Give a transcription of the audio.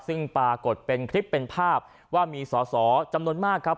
ซึ่งปรากฏเป็นคลิปเป็นภาพว่ามีสอสอจำนวนมากครับ